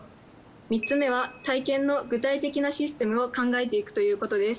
３つ目は体験の具体的なシステムを考えていくということです。